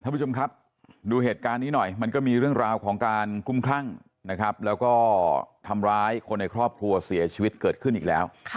ท่านผู้ชมครับดูเหตุการณ์นี้หน่อยมันก็มีเรื่องราวของการคลุมคลั่งนะครับแล้วก็ทำร้ายคนในครอบครัวเสียชีวิตเกิดขึ้นอีกแล้ว